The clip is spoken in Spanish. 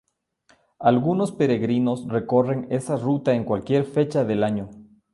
Algunos peregrinos recorren esta ruta en cualquier fecha del año.